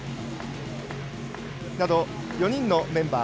４人のメンバー。